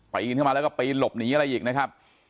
ไปอินขึ้นมาแล้วก็ไปอินหลบหนีอะไรอีกนะฮะ